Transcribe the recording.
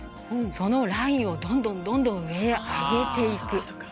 そのラインをどんどん上へ上げていく。